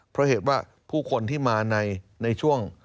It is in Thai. เพราะเหตุว่าผู้คนที่มาในช่วง